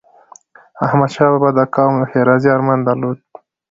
احمدشاه بابا د قوم د ښېرازی ارمان درلود.